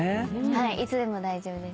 はいいつでも大丈夫です。